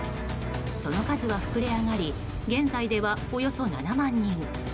その数は膨れ上がり現在では、およそ７万人。